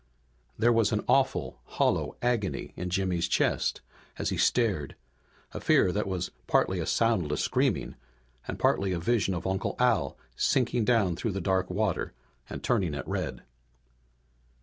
There was an awful hollow agony in Jimmy's chest as he stared, a fear that was partly a soundless screaming and partly a vision of Uncle Al sinking down through the dark water and turning it red.